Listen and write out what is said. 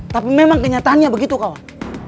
tapi memang kenyataannya begitu kawan